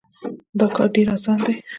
دا کار ډېر اسان دی.